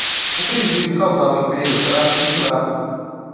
O prejuízo causado à empresa será imensurável